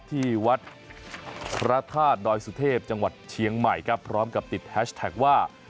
ที่วัดพระธาตุดอยสุเทพจังหวัดเชียงใหม่ครับพร้อมกับติดแฮชแท็กว่า